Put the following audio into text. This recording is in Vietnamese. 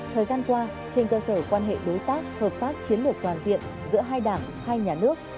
thời gian qua trên cơ sở quan hệ đối tác hợp tác chiến lược toàn diện giữa hai đảng hai nhà nước